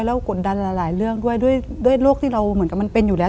แล้วกดดันหลายเรื่องด้วยด้วยโรคที่เราเหมือนกับมันเป็นอยู่แล้ว